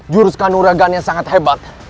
jurus kanuragan yang sangat hebat